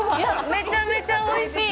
めちゃめちゃおいしい。